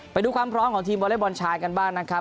ไปดูความพร้อมของทีมวอเล็กบอลชายกันบ้างนะครับ